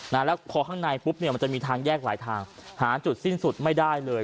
แล้วพอข้างในปุ๊บเนี่ยมันจะมีทางแยกหลายทางหาจุดสิ้นสุดไม่ได้เลย